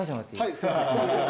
はいすいません。